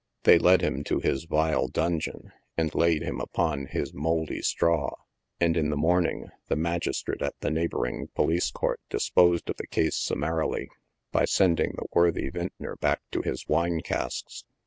They led him to his " vile dungeon," and laid him upon his " mouldy straw," and in the morning, the magistrate at the neighboring Police Court disposed of the case summarily, by sending the worthy vintner back to his wine casks.